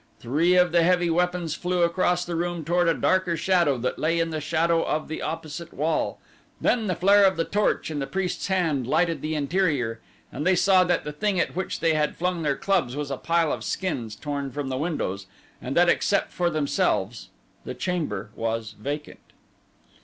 Three of the heavy weapons flew across the room toward a darker shadow that lay in the shadow of the opposite wall, then the flare of the torch in the priest's hand lighted the interior and they saw that the thing at which they had flung their clubs was a pile of skins torn from the windows and that except for themselves the chamber was vacant.